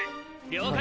了解！